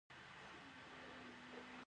افغانستان د تیلو او ګازو زیرمې لري